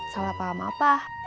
salah paham apa